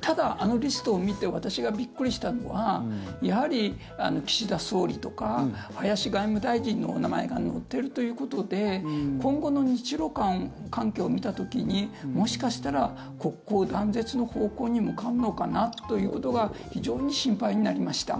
ただ、あのリストを見て私がびっくりしたのはやはり、岸田総理とか林外務大臣のお名前が載っているということで今後の日ロ関係を見た時にもしかしたら国交断絶の方向に向かうのかなということが非常に心配になりました。